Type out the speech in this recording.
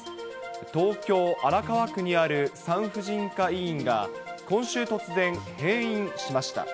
東京・荒川区にある産婦人科医院が、今週突然、閉院しました。